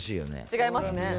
違いますね。